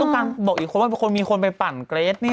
เขาต้องการบอกอีกคำว่ามีคนไปปั่นเกรษน์นี่